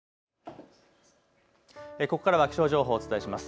ここからは気象情報、お伝えします。